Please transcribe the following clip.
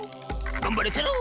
『がんばれケロ！』。